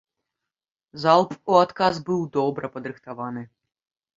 Залп у адказ быў добра падрыхтаваны.